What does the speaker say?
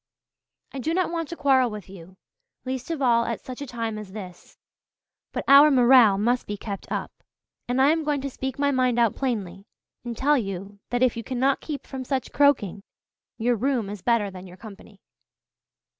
I do not want to quarrel with you, least of all at such a time as this, but our morale must be kept up, and I am going to speak my mind out plainly and tell you that if you cannot keep from such croaking your room is better than your company."